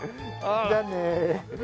じゃあね。